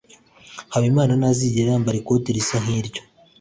habimana ntazigera yambara ikote risa nkiryo